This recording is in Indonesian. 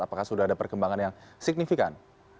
apakah sudah ada perkembangan yang signifikan